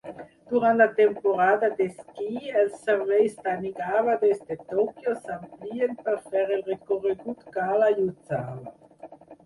Durant la temporada d'esquí, els serveis "Tanigawa" des de Tòquio s'amplien per fer el recorregut Gala-Yuzawa.